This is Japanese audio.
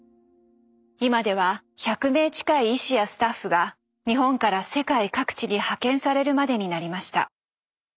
今では１００名近い医師やスタッフが日本から世界各地に派遣されるまでになりました。